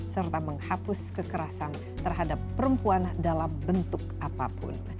serta menghapus kekerasan terhadap perempuan dalam bentuk apapun